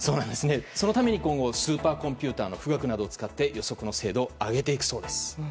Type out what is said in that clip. そのために今後スーパーコンピューターの「富岳」などを使って予測の精度を上げていくそうです。